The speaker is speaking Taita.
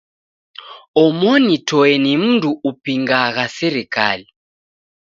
Omoni toe ni mndu upingagha serikali.